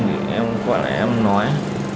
thì em quay lại em nói